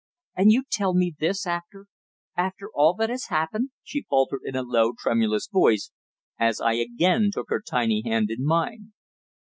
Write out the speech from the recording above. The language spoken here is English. "And you tell me this, after after all that has happened!" she faltered in a low, tremulous voice, as I again took her tiny hand in mine.